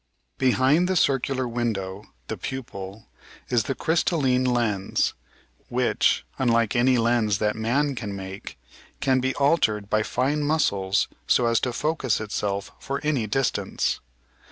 Behind the circular window, the pupil, is the crystalline lens, which, imlike any lens that man can make, can be altered by fine muscles so as to focus itself for any distance.